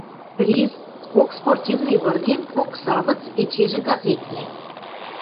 Приз: кок спортивный выргем, кок савыц, эчежӹ газетвлӓ.